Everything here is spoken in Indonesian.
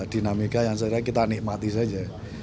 dinamika yang sebenarnya kita nikmati saja